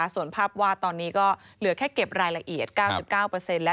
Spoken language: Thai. ส่วนภาพวาดตอนนี้ก็เหลือแค่เก็บรายละเอียด๙๙แล้ว